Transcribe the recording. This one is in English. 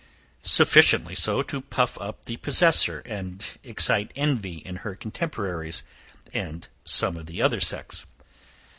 Sufficiently so to puff up the possessor, and excite envy in her contemporaries, and some of the other sex.